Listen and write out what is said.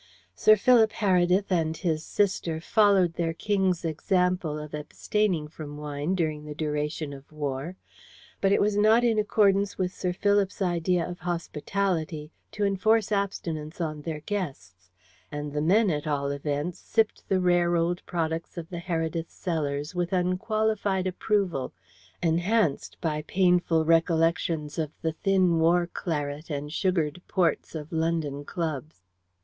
Sir Philip Heredith and his sister followed their King's example of abstaining from wine during the duration of war, but it was not in accordance with Sir Philip's idea of hospitality to enforce abstinence on their guests, and the men, at all events, sipped the rare old products of the Heredith cellars with unqualified approval, enhanced by painful recollections of the thin war claret and sugared ports of London clubs.